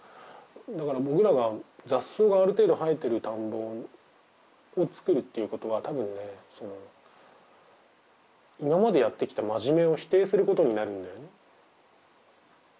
だから僕らが雑草がある程度生えてる田んぼを作るっていうことは多分ねその今までやってきた真面目を否定することになるんだよね。